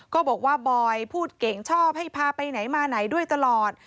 ก็บอกว่าบอยพูดเก่งชอบให้พาไปไหนมาไหนด้วยตลอด